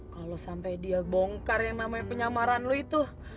kalau sampai dia bongkar yang namanya penyamaran lu itu